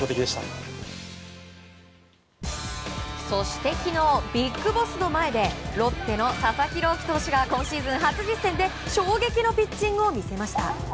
そして昨日ビッグボスの前でロッテの佐々木朗希投手が今シーズン初実戦で衝撃のピッチングを見せました。